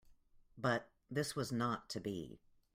But this was not to be.